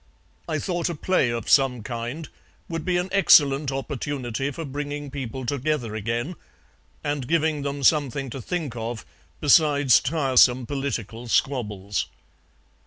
I thought a play of some kind would be an excellent opportunity for bringing people together again, and giving them something to think of besides tiresome political squabbles."